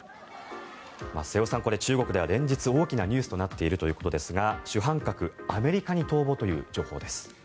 瀬尾さん、これは中国では連日、大きなニュースとなっているということですが主犯格、アメリカに逃亡という情報です。